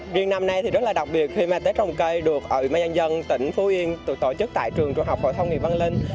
riêng năm nay thì rất là đặc biệt khi mà tết trồng cây được ủy ban dân dân tỉnh phú yên tổ chức tại trường trường học hội thông nghiệp văn linh